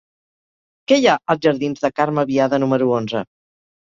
Què hi ha als jardins de Carme Biada número onze?